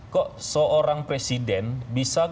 kok seorang presiden bisa